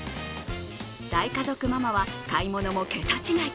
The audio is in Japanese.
大家族ママは買い物も桁違い。